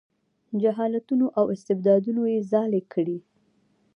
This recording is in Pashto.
جهالتونو او استبدادونو یې ځالې کړي.